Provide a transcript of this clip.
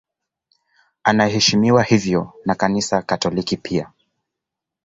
Anaheshimiwa hivyo na Kanisa Katoliki pia.